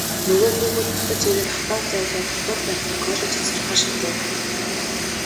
Нөгөө хүүхэд буцаж ирээд хотоос зайдуу дотуур байртай коллежид сурахаар шийдэв.